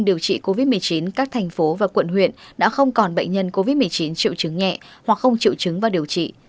điều trị covid một mươi chín các thành phố và quận huyện đã không còn bệnh nhân covid một mươi chín triệu chứng nhẹ hoặc không chịu chứng và điều trị